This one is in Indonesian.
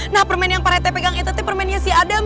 nah permen yang pak rete pegang itu itu permennya si adam